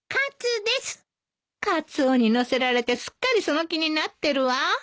カツオに乗せられてすっかりその気になってるわ